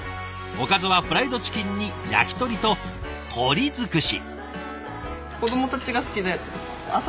おかずはフライドチキンに焼き鳥と鶏尽くし。